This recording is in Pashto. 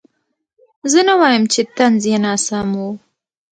زه نه وایم چې طنز یې ناسم و.